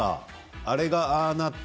あれが、ああなって。